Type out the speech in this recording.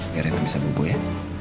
biar rena bisa bubuk ya